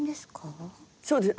そうです。